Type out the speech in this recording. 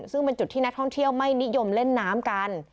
ซึ่งเป็นจุดที่นักท่องเที่ยวไม่นิยมเล่นน้ำกัน